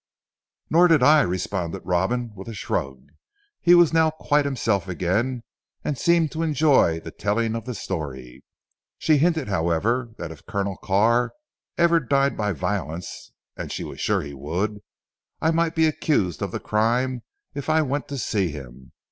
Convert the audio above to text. "Nor did I," responded Robin with a shrug; he was now quite himself again and seemed to enjoy the telling of the story. "She hinted however that if Colonel Carr ever died by violence and she was sure he would I might be accused of the crime if I went to see him.